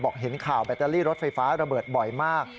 เห็นข่าวแบตเตอรี่รถไฟฟ้าระเบิดบ่อยมาก